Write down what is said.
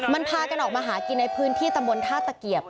มันพากันออกมาหากินในพื้นที่ตำบลท่าตะเกียบ